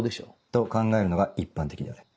と考えるのが一般的ではある。